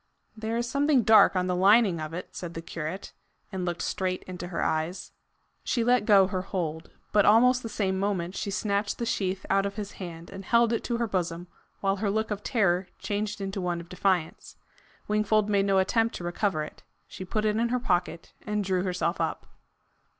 "There is something dark on the lining of it," said the curate, and looked straight into her eyes. She let go her hold. But almost the same moment she snatched the sheath out of his hand and held it to her bosom, while her look of terror changed into one of defiance. Wingfold made no attempt to recover it. She put it in her pocket, and drew herself up.